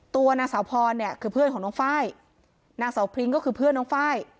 ตัวนางสาวพรเนี่ยคือเพื่อนของน้องไฟล์นางสาวพริ้งก็คือเพื่อนน้องไฟล์